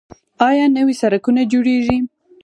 آیا نوي سرکونه جوړیږي؟